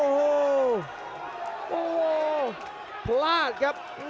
โอ้โหโอ้โหพลาดครับ